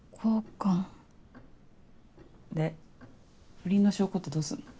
不倫の証拠ってどうすんの？